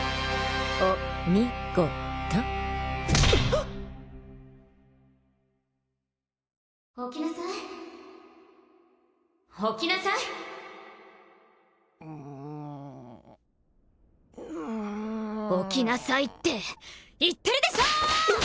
お・み・ご・と起きなさい起きなさいうんうん起きなさいって言ってるでしょー！